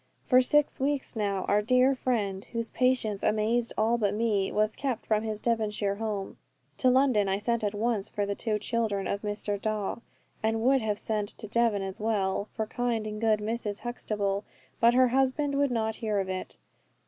For six weeks now our dear friend, whose patience amazed all but me, was kept from his Devonshire home. To London I sent at once for the two children and Mr. Dawe, and would have sent to Devon as well, for kind and good Mrs. Huxtable, but her husband would not hear of it.